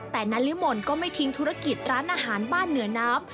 แต่นาริมลก็ไม่ทิ้งธุรกิจร้านอาหารบ้านเหนือน้ำ